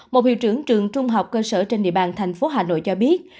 một hiệu trưởng trường trung học cơ sở trên địa bàn thành phố hà nội cho biết